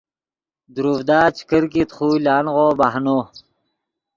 دروڤدا چے کرکیت خو لانغو بہنو